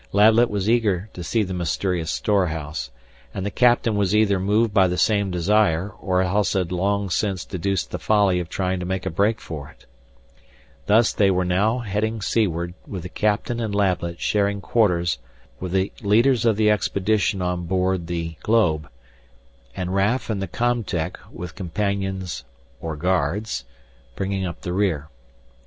Lablet was eager to see the mysterious storehouse, and the captain was either moved by the same desire or else had long since deduced the folly of trying to make a break for it Thus they were now heading seaward with the captain and Lablet sharing quarters with the leaders of the expedition on board the globe, and Raf and the com tech, with companions or guards bringing up the rear.